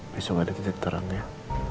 besok ada titik terang ya